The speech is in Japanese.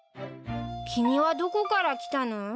君はどこから来たの？